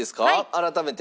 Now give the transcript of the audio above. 改めて。